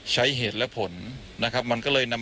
คุณทัศนาควดทองเลยค่ะ